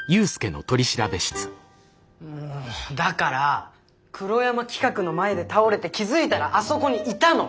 もうだから黒山企画の前で倒れて気付いたらあそこにいたの！